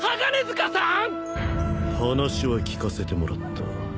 話は聞かせてもらった。